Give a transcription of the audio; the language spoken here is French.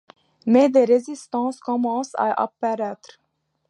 Mais des résistances commencent à apparaître.